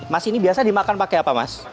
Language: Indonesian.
mas ini biasa dimakan pakai apa mas